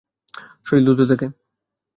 শরীর দুলতে থাকে।